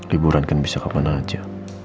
liburan kan bisa kemana aja